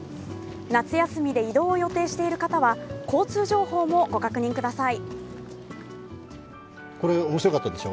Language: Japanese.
夏休みで移動を予定している方は、交通情報もご確認ください。